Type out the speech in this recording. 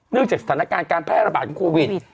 เนื่องจากสถานการณ์การแพร่ระบาดกับโควิด